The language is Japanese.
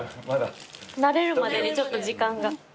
慣れるまでにちょっと時間が。